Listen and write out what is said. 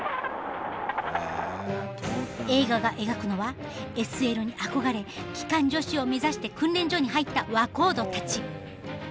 映画が描くのはＳＬに憧れ機関助士を目指して訓練所に入った若人たち。